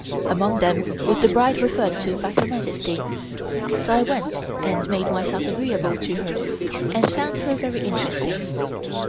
Among them was the bride referred to by Her Majesty. So I went and made myself agreeable to her and found her very interesting.